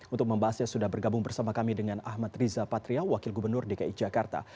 untuk membahasnya sudah bergabung bersama kami dengan ahmad riza patria wakil gubernur dki jakarta